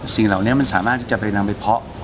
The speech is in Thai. สิ่งเหล่านี้มันสามารถที่จะไปนำไปเพาะ